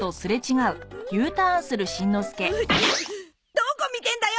どこ見てんだよ！